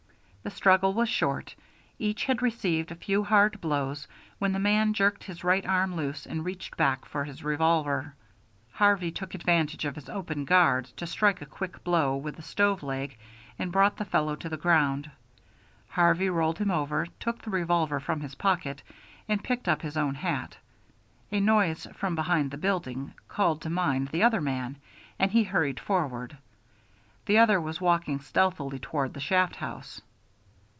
The struggle was short. Each had received a few hard blows when the man jerked his right arm loose and reached back for his revolver. Harvey took advantage of his open guard to strike a quick blow with the stove leg and brought the fellow to the ground. Harvey rolled him over, took the revolver from his pocket, and picked up his own hat. A noise from behind the building called to mind the other man, and he hurried forward. The other was walking stealthily toward the shaft house.